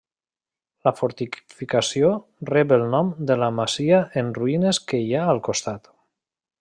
La fortificació rep el nom de la masia en ruïnes que hi ha al costat.